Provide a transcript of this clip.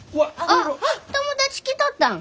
あっ友達来とったん？